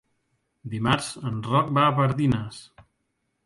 Dimarts en Roc va a Pardines.